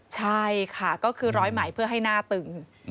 ใช่ค่ะก็คือร้อยใหม่เพื่อให้หน้าตึง